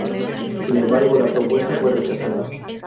Sin embargo, la propuesta fue rechazada.